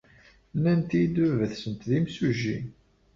Nnant-iyi-d baba-tsent d imsujji.